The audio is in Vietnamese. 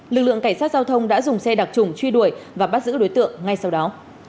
lực lượng cảnh sát giao thông đã dùng xe đặc trùng truy đuổi và bắt giữ đối tượng ngay sau đó